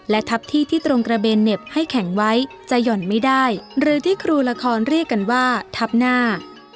และทับที่ที่ตรงกระเบนเหน็บให้แข็งไว้จะหย่อนไม่ได้หรือที่ครูละครเรียกกันว่าทับหน้า